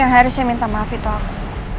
yang harus saya minta maaf itu aku